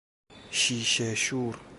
شیشه شور